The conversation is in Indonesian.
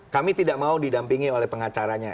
kami tidak mau didampingi oleh pengacaranya